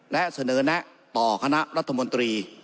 และเสนอแนะต่อคณะรัฐมนตรี